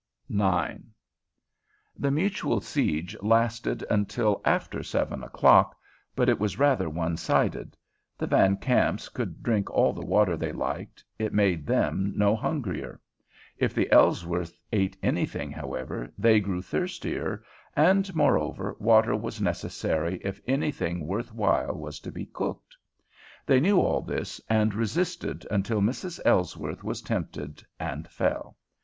IX The mutual siege lasted until after seven o'clock, but it was rather one sided. The Van Kamps could drink all the water they liked, it made them no hungrier. If the Ellsworths ate anything, however, they grew thirstier, and, moreover, water was necessary if anything worth while was to be cooked. They knew all this, and resisted until Mrs. Ellsworth was tempted and fell.